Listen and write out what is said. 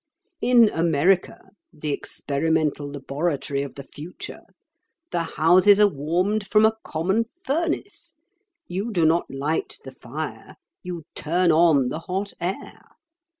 In America, the experimental laboratory of the future, the houses are warmed from a common furnace. You do not light the fire, you turn on the hot air.